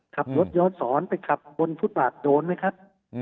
ขับรถย้อนสอนไปขับบนฟุตบาทโดนไหมครับ